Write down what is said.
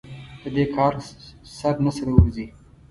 د دې کار سر نه سره ورځي.